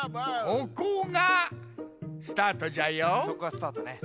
そこがスタートね。